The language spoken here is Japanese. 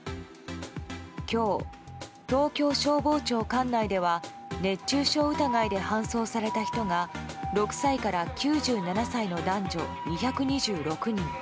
今日、東京消防庁管内では熱中症疑いで搬送された人が６歳から９７歳の男女２２６人。